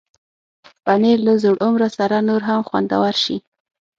پنېر له زوړ عمر سره نور هم خوندور شي.